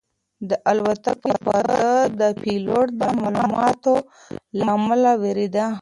د الوتکې پرده د پیلوټ د معلوماتو له امله ودرېده.